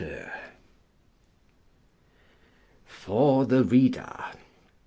For the Reader.